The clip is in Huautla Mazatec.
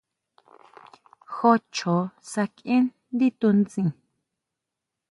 Jó chjoó sakieʼe ndí tunsin.